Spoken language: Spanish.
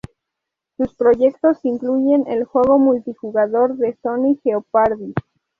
Sus proyectos incluyen el juego multijugador de Sony Jeopardy!